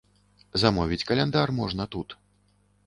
Замовіць каляндар можна тут.